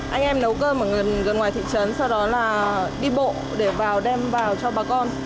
anh em nấu cơm ở người gần ngoài thị trấn sau đó là đi bộ để vào đem vào cho bà con